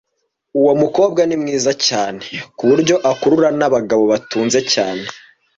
Uwo mukobwa ni mwiza cyane kuburyo akurura nabagabo batunze cyane.